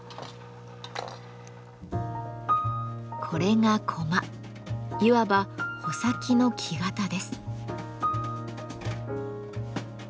これがいわば穂先の木型です。